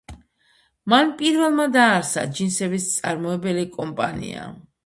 მან პირველმა დააარსა ჯინსების მწარმოებელი კომპანია.